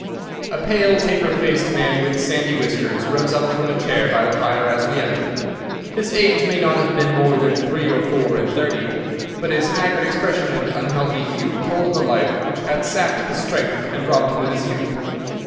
A pale, taper faced man with sandy whiskers rose up from a chair by the fire as we entered. His age may not have been more than three or four and thirty, but his haggard expression and unhealthy hue told of a life which has sapped his strength and robbed him of his youth.